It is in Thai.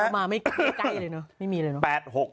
ออกมาไม่ใกล้เลยเนอะ